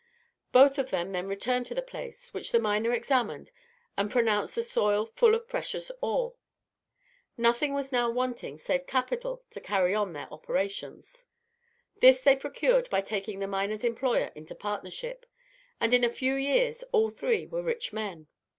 Both of them then returned to the place, which the miner examined, and pronounced the soil full of precious ore. Nothing was now wanting save capital to carry on their operations. This they procured by taking the miner's employer into partnership, and in a few years all three were rich men.